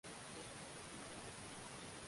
ambao hufika kwa ajili ya kufanya matambiko ya jadi